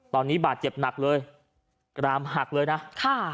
ตอนนี้บาดเจ็บหนักเลยกรามหักเลยนะค่ะ